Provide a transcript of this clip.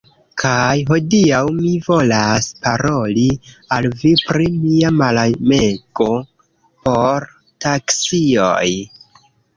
Kaj hodiaŭ mi volas paroli al vi pri mia malamego por taksioj.